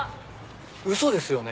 嘘ですよね？